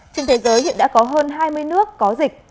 trên thế giới hiện đã có hơn hai mươi nước có dịch